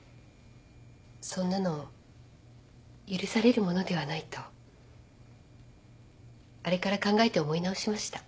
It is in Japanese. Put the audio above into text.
そんなの許されるものではないとあれから考えて思い直しました。